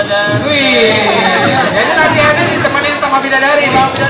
jadi latihannya ditemenin sama bidadari